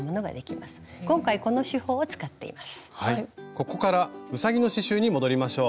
ここからうさぎの刺しゅうに戻りましょう。